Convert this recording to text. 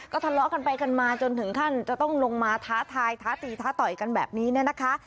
ทะเลาะกันไปกันมาจนถึงขั้นจะต้องลงมาท้าทายท้าตีท้าต่อยกันแบบนี้เนี่ยนะคะ